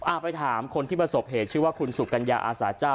ไปถามคนที่ประสบเหตุชื่อว่าคุณสุกัญญาอาสาเจ้า